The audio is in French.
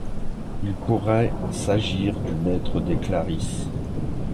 Il pourrait s'agir du Maître des Clarisses.